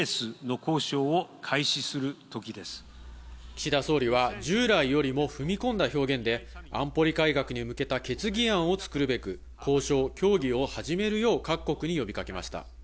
岸田総理は従来よりも踏み込んだ表現で安保理改革に向けた決議案を作るべく、交渉、協議を始めるよう、各国に呼びかけました。